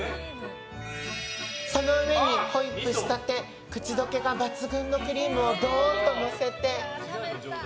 その上にホイップしたて口溶けが抜群のクリームをどーんとのせて。